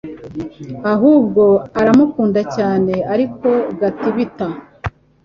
ahubwo aramukunda cyane ariko Gatibita